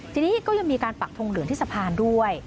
ทีนี้ก็ยังมีการปักทงเหลืองที่สะพานด้วย